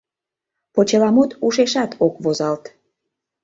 Почеламут ушешат ок возалт.